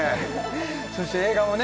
そして映画もね